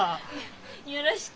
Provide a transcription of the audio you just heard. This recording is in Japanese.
よろしく。